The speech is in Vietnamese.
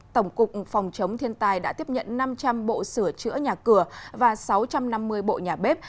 tổng cục phòng chống thiên tai đã tiếp nhận năm trăm linh bộ sửa chữa nhà cửa và sáu trăm năm mươi bộ nhà bếp